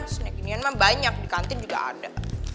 snack inian mah banyak di kantin juga ada